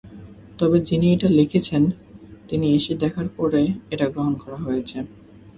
তবে যিনি এটি লিখেছেন তিনি এসে দেখার পরে এটা গ্রহণ করা হয়েছে।